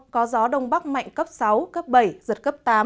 có gió đông bắc mạnh cấp sáu cấp bảy giật cấp tám